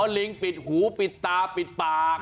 ลิงปิดหูปิดตาปิดปาก